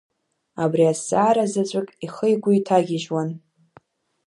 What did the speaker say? Абри азҵаара заҵәык ихы-игәы иҭагьежьуан.